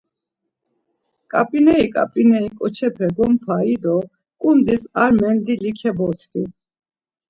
Ǩap̌ineri ǩap̌ineri ǩoçepe gompai do ǩundis ar mandili keebotvi.